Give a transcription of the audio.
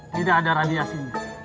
tidak ada radiasi